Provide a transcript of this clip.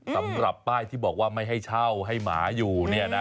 สำหรับป้ายที่บอกว่าไม่ให้เช่าให้หมาอยู่เนี่ยนะ